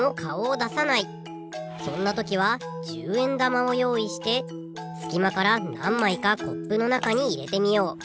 そんなときは１０円玉をよういしてすきまからなんまいかコップのなかにいれてみよう。